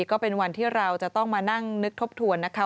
ก็เป็นวันที่เราจะต้องมานั่งนึกทบทวนนะคะ